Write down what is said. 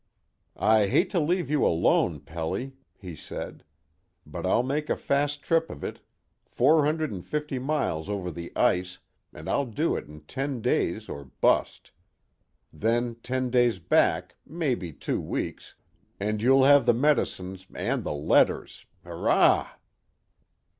"I hate to leave you alone, Pelly," he said. "But I'll make a fast trip of it four hundred and fifty miles over the ice, and I'll do it in ten days or bust. Then ten days back, mebbe two weeks, and you'll have the medicines and the letters. Hurrah!"